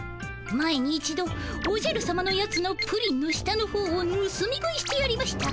前に一度おじゃるさまのやつのプリンの下のほうをぬすみ食いしてやりました。